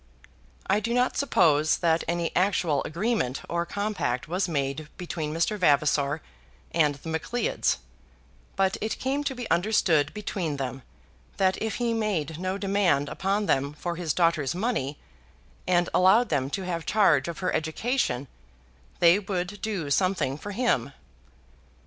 I do not suppose that any actual agreement or compact was made between Mr. Vavasor and the Macleods; but it came to be understood between them that if he made no demand upon them for his daughter's money, and allowed them to have charge of her education, they would do something for him.